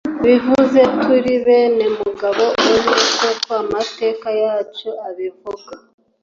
Bivuze ko turi bene mu gabo umwe nkuko amateka yacu abivuga